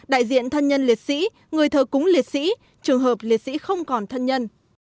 đại diện thân nhân liệt sĩ người thờ cúng liệt sĩ trường hợp liệt sĩ không còn thân nhân